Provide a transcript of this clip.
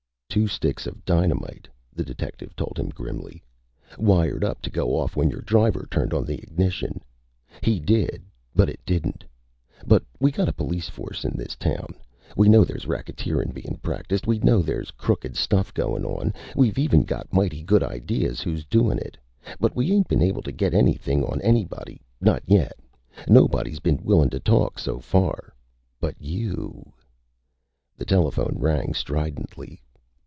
"Two sticks of dynamite," the detective told him grimly, "wired up to go off when your driver turned on the ignition. He did but it didn't. But we got a police force in this town! We know there's racketeerin' bein' practiced. We know there's crooked stuff goin' on. We even got mighty good ideas who's doin' it. But we ain't been able to get anything on anybody. Not yet. Nobody's been willin' to talk, so far. But you " The telephone rang stridently.